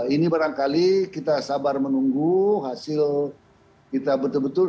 ini barangkali kita sabar menunggu hasil kita betul betul